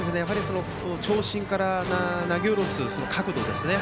長身から投げ下ろす角度ですね。